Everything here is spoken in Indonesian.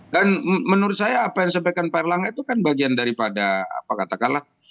dan menurut saya apa yang disampaikan pak erlah gak itu kan bagian daripada apa katakanlah